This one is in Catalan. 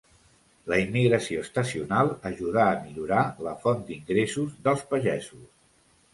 La immigració estacional ajudà a millorar la font d'ingressos dels pagesos.